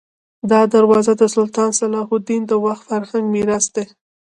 دا دروازه د سلطان صلاح الدین د وخت فرهنګي میراث دی.